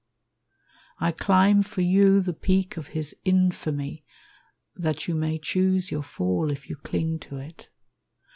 "I climb for you the peak of his infamy That you may choose your fall if you cling to it.